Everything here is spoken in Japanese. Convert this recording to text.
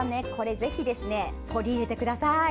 ぜひ、取り入れてください。